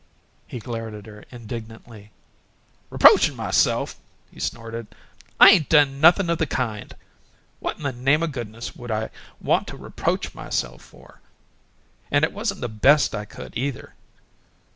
He glared at her indignantly. "Reproachin' myself!" he snorted. "I ain't doin' anything of the kind! What in the name o' goodness would I want to reproach myself for? And it wasn't the 'best I could,' either.